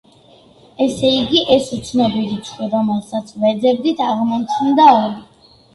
ესე იგი, ეს უცნობი რიცხვი რომელსაც ვეძებდით, აღმოჩნდა ორი.